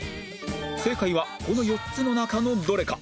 正解はこの４つの中のどれか